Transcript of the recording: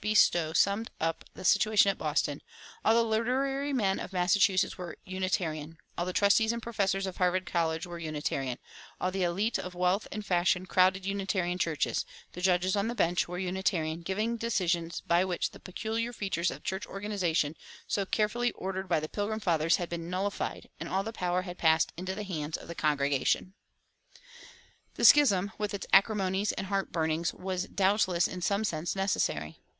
B. Stowe summed up the situation at Boston, "All the literary men of Massachusetts were Unitarian; all the trustees and professors of Harvard College were Unitarian; all the élite of wealth and fashion crowded Unitarian churches; the judges on the bench were Unitarian, giving decisions by which the peculiar features of church organization so carefully ordered by the Pilgrim Fathers had been nullified and all the power had passed into the hands of the congregation."[250:2] The schism, with its acrimonies and heartburnings, was doubtless in some sense necessary.